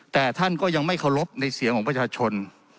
แต่ท่านก็ยังไม่เคารพในเสียงของประชาชน